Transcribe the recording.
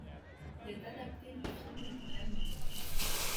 Il est adapté du film du même nom.